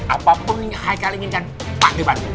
apapun haikal inginkan pakde bantu